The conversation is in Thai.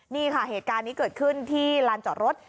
นี่ค่ะเหตุการณ์นี้เกิดขึ้นที่ลานจอดรถ